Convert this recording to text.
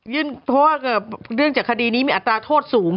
เพราะว่าเนื่องจากคดีนี้มีอัตราโทษสูง